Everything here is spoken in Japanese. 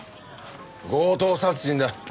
強盗殺人だ。